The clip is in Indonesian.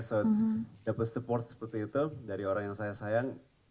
jadi dapet support seperti itu dari orang yang saya sayang